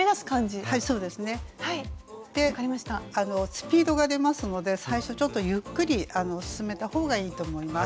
スピードが出ますので最初ちょっとゆっくり進めた方がいいと思います。